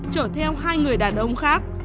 trở theo hai người đàn ông khác